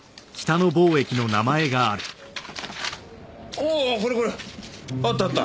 おおこれこれ！あったあった。